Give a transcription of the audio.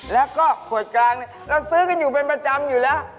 แล้วก็ขวดกลางเนี่ยเราซื้อกันอยู่เป็นประจำอยู่แล้ว